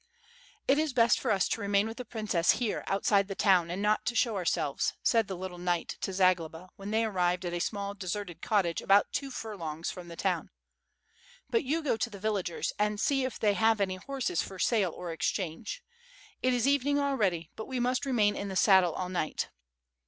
"It is best for us to remain with the princess here outside the town, and not to show ourselves,^^ said the little knight to Zagloba when they had arrived at a small deserted cottage about two furlongs from the town. "But you go to the villagers and see if they have any horses for sale or exchange. It is evening already, but we must remain in the saddle all night.'